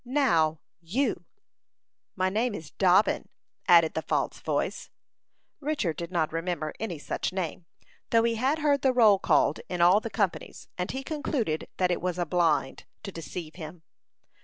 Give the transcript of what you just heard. "Now, you " "My name is Dobbin," added the false voice. Richard did not remember any such name, though he had heard the roll called in all the companies, and he concluded that it was a "blind," to deceive him.